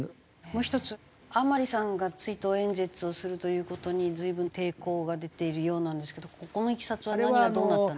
もう１つ甘利さんが追悼演説をするという事に随分抵抗が出ているようなんですけどここのいきさつは何がどうなった？